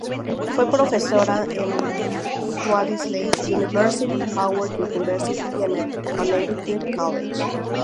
Fue profesora en la Wellesley University, Howard University y en el Connecticut College.